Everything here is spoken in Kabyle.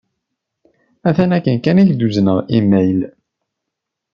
Atan akken kan i k-d-uzneɣ imayl.